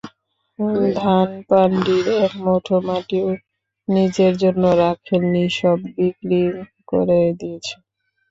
ধানপান্ডির এক মুঠো মাটিও নিজের জন্য রাখেনি সব বিক্রি করে দিয়েছে।